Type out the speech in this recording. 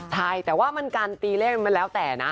ใช่แต่ว่ามันการตีเลขมันแล้วแต่นะ